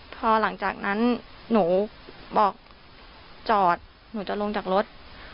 พอหลังจากนั้นหนูบอกจอดหนูจะลงจากรถ